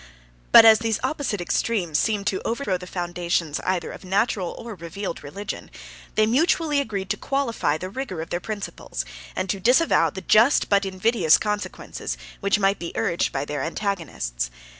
But as those opposite extremes seemed to overthrow the foundations either of natural or revealed religion, they mutually agreed to qualify the rigor of their principles; and to disavow the just, but invidious, consequences, which might be urged by their antagonists.